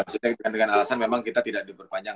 maksudnya dengan alasan memang kita tidak diberpanjang